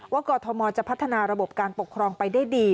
กรทมจะพัฒนาระบบการปกครองไปได้ดี